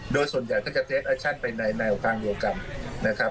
โดยส่วนใหญ่จะจะเท็จเอาไว้ในฐานะกองโยคกันนะครับ